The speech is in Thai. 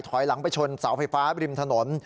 ถอยหลังไปชนเสาไฟฟ้าริมถนน